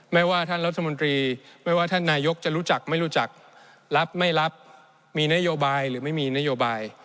ไม่ว่าท่านรัฐมนตรีไม่ว่าท่านนายกจะรู้จักไม่รู้จักรับไม่รับมีนโยบายหรือไม่มีนโยบาย